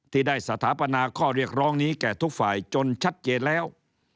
ที่ได้สถาปนาข้อเรียกร้องนี้แก่ทุกฝ่ายจนชัดเจนแล้ว